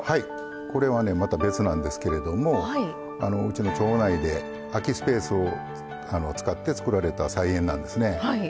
これはねまた別なんですけれどもうちの町内で空きスペースを使って作られた菜園なんですね。